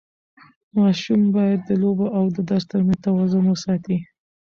ماشوم باید د لوبو او درس ترمنځ توازن وساتي.